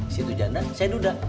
situ janda saya duda